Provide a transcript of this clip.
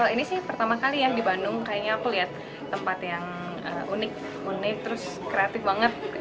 ini sih pertama kali ya di bandung kayaknya aku lihat tempat yang unik unik terus kreatif banget